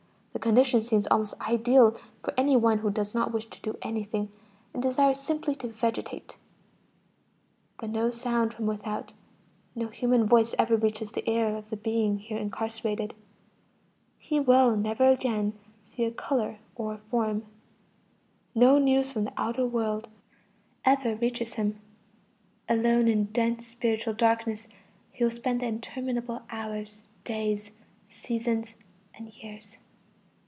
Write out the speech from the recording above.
The conditions seem almost ideal for any one who does not wish to do anything, and desires simply to vegetate. But no sound from without, no human voice ever reaches the ear of the being here incarcerated; he will never again see a color or a form. No news from the outer world ever reaches him. Alone in dense spiritual darkness, he will spend the interminable hours, days, seasons, and years.